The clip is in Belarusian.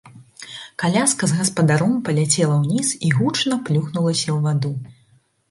Каляска з гаспадаром паляцела ўніз і гучна плюхнулася ў ваду.